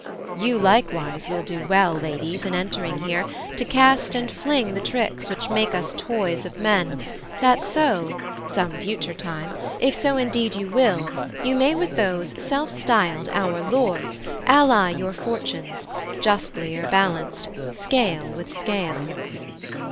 You likewise will do well, Ladies, in entering here, to cast and fling The tricks, which make us toys of men, that so, Some future time, if so indeed you will, You may with those self styled our lords ally Your fortunes, justlier balanced, scale with scale.'